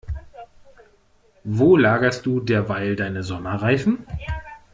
Wo lagerst du derweil deine Sommerreifen?